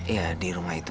iya di rumah itu